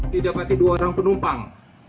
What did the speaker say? didapati dua orang penumpang